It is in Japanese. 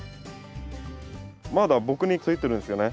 まだ僕についてるんですよね。